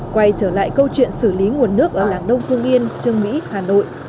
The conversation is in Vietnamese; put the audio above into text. quay trở lại câu chuyện xử lý nguồn nước ở làng đông phương yên trương mỹ hà nội